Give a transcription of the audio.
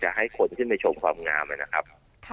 จะให้คนขึ้นมาชงความงามนะครับ